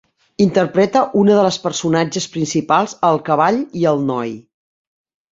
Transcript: Interpreta una de les personatges principals a "El cavall i el noi".